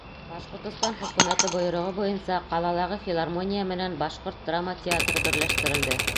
Башҡортостан Хөкүмәте бойороғо буйынса ҡалалағы филармония менән башҡорт драма театры берләштерелде.